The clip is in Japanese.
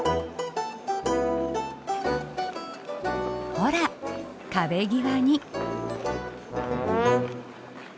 ほら壁際に。